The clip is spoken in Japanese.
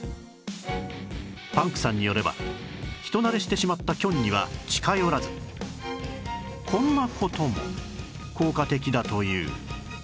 パンクさんによれば人慣れしてしまったキョンには近寄らずこんな事も効果的だという